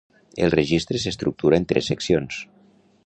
El Registre s'estructura en tres seccions.